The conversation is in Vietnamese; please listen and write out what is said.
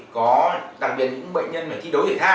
có đặc biệt những bệnh nhân mà thi đấu thể thao